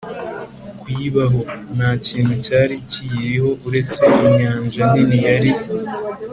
kuyibaho. nta kintu cyari kiyiriho uretse inyanja nini yari